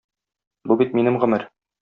Бу бит минем гомер.